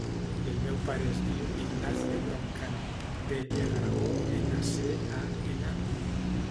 El meu pare es diu Ignacio Broncano: be, erra, o, ena, ce, a, ena, o.